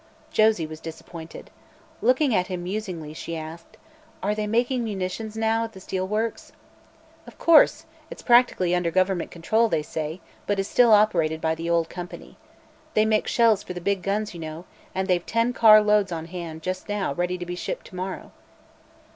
Josie was disappointed. Looking at him musingly, she asked: "Are they making munitions now, at the steel works?" "Of course; it's practically under government control, they say, but is still operated by the old company. They make shells for the big guns, you know, and they've ten car loads on hand, just now, ready to be shipped to morrow."